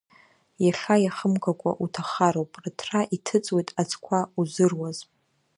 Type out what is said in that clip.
Иахьа иахымгакәа уҭахароуп, рыҭра иҭыҵуеит аӡқәа узыруаз…